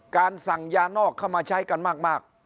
การสั่งยานอกเข้ามาใช้กันมาก